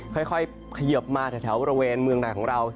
ค่อยเขยิบมาแถวบริเวณเมืองไหนของเรา